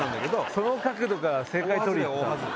その角度から正解取りに行った。